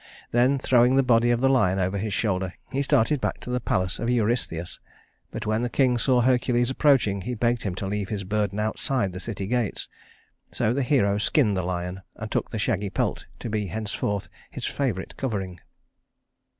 Then, throwing the body of the lion over his shoulder, he started back to the palace of Eurystheus; but when the king saw Hercules approaching, he begged him to leave his burden outside the city gates. So the hero skinned the lion, and took the shaggy pelt to be henceforth his favorite covering.